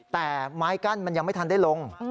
แต่ไม้กั้นมันยังไม่ทันได้ลง